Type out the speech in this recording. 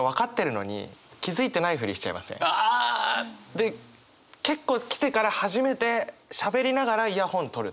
で結構来てから初めてしゃべりながらイヤホン取るとか。